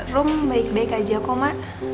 rum baik baik aja kok ma